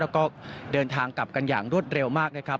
แล้วก็เดินทางกลับกันอย่างรวดเร็วมากนะครับ